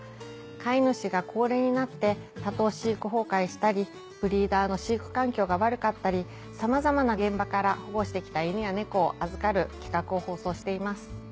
飼い主が高齢になって多頭飼育崩壊したりブリーダーの飼育環境が悪かったりさまざまな現場から保護して来た犬や猫を預かる企画を放送しています。